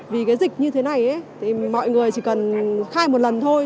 vì cái dịch như thế này thì mọi người chỉ cần khai một lần thôi